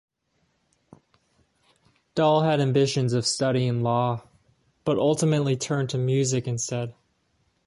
Dall had ambitions of studying law, but ultimately turned to music instead.